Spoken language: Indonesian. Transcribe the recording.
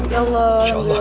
ya allah awesan